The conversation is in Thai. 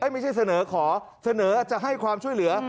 ไม่ใช่เสนอขอเสนอจะให้ความช่วยเหลือ